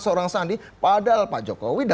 seorang sandi padahal pak jokowi